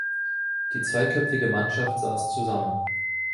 Die zweiköpfige Mannschaft saß zusammen.